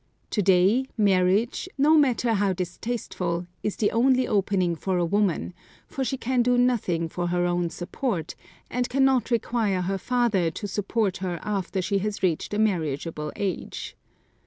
To day marriage, no matter how distasteful, is the only opening for a woman; for she can do nothing for her own support, and cannot require her father to support her after she has reached a marriageable age.